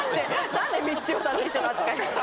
何でみちおさんと一緒の扱い？